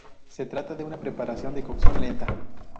Se trata de una preparación de cocción lenta.